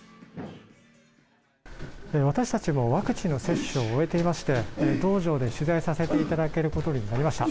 私たちもワクチンの接種を終えていまして道場で取材させていただけることになりました。